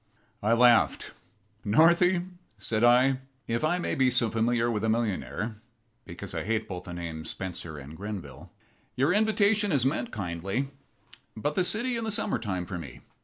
I laughed. "Northy," said I "if I may be so familiar with a millionaire, because I hate both the names Spencer and Grenville your invitation is meant kindly, but the city in the summer time for me.